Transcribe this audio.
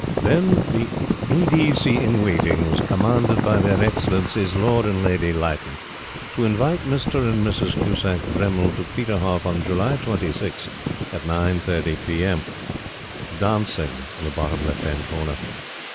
Then "the A. D. C. in Waiting was commanded by Their Excellencies, Lord and Lady Lytton, to invite Mr. and Mrs. Cusack Bremmil to Peterhoff on July 26th at 9.30 P. M." "Dancing" in the bottom left hand corner.